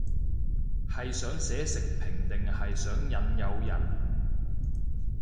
係想寫食評定係想引誘人